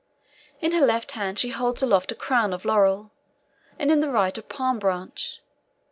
In her left hand, she holds aloft a crown of laurel, and in the right, a palm branch.